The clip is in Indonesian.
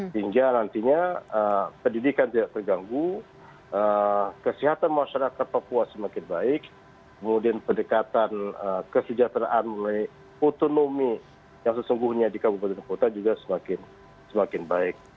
sehingga nantinya pendidikan tidak terganggu kesehatan masyarakat papua semakin baik kemudian pendekatan kesejahteraan otonomi yang sesungguhnya di kabupaten kota juga semakin baik